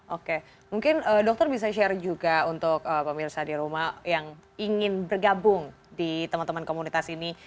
oke mungkin dokter bisa share juga untuk pemirsa di rumah yang ingin bergabung di teman teman komunitas ini